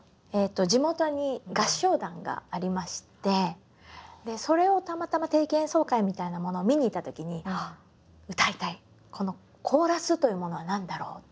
地元に合唱団がありましてそれをたまたま定期演奏会みたいなものを見に行ったときにこのコーラスというものは何だろうと。